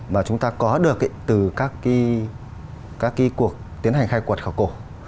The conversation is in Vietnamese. mà chúng ta có được từ các cái cuộc tiến hành khai quật khảo cổ